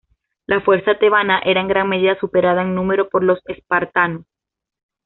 La fuerza tebana era en gran medida superada en número por los espartanos.